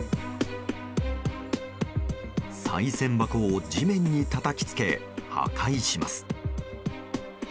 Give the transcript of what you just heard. さい銭箱を地面にたたきつけ破壊します。